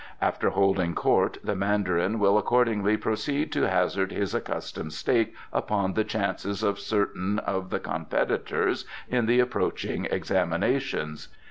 "After holding court the Mandarin will accordingly proceed to hazard his accustomed stake upon the chances of certain of the competitors in the approaching examinations.